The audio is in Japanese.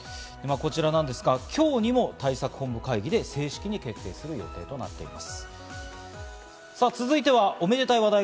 こちらなんですが、今日にも対策本部会議で正式に決定するということになっています。